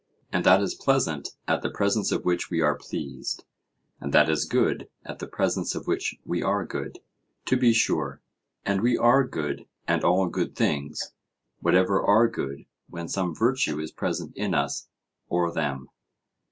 And that is pleasant at the presence of which we are pleased, and that is good at the presence of which we are good? To be sure. And we are good, and all good things whatever are good when some virtue is present in us or them?